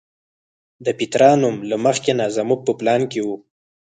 د پیترا نوم له مخکې نه زموږ په پلان کې و.